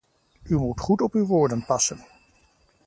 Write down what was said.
U moet goed op uw woorden passen.